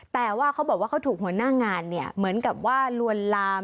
แต่ว่าเขาบอกว่าเขาถูกหัวหน้างานเนี่ยเหมือนกับว่าลวนลาม